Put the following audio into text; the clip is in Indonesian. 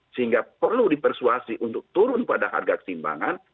sehingga perlu dipersuasi untuk turun pada harga keseimbangan